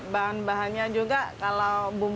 bahan bahannya juga kalau buangnya juga dari kupang